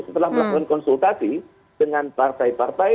setelah melakukan konsultasi dengan partai partai